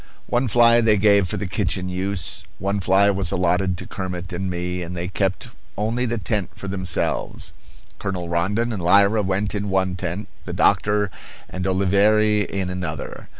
One fly they gave for the kitchen use, one fly was allotted to Kermit and me, and they kept only the tent for themselves. Colonel Rondon and Lyra went in one tent, the doctor and Oliveira in another.